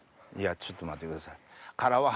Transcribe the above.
ちょっと待ってください。ねぇ！